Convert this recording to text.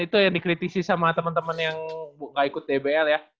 itu yang dikritisi sama teman teman yang gak ikut dbl ya